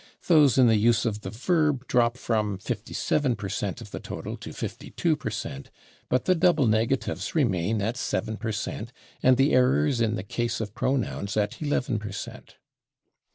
Those in the use of the verb drop from 57 per cent of the total to 52 per cent, but the double negatives remain at 7 per cent and the errors in the case of pronouns at 11 per cent.